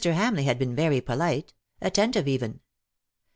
Hamleigh had been very polite' — attentive even.